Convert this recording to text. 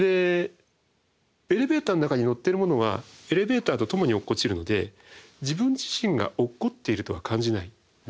エレベーターの中に乗ってるものはエレベーターと共に落っこちるので自分自身が落っこっているとは感じない。